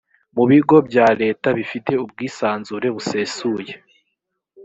mu bigo bya leta bifite ubwisanzure busesuye